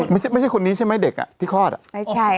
ไม่ใช่คนนี้ใช่ไหมเด็กอ่ะที่คอดอ่ะ